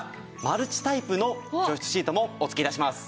マルチタイプの除湿シートもお付け致します。